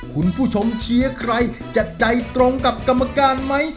คุณผู้ชมเชียร์ใครจะใจตรงกับกรรมการไหม